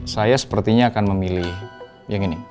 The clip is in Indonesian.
saya sepertinya akan memilih yang ini